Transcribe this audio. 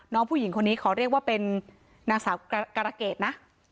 น้องผู้หญิงคนนี้ขอเรียกว่าเป็นนางสาวกรเกษนะ